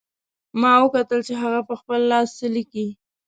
ما وکتل چې هغه په خپل لاس څه لیکي